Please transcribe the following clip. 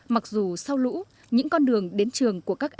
mặc dù sau lũ những con đường đến trường của các em